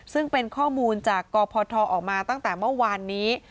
ซึ่งเป็นข้อมูลจากกพทออกมาตั้งแต่เมื่อวานนี้